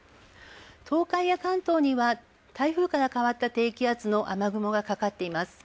東海から関東には台風から変わった低気圧の雲がかかっています。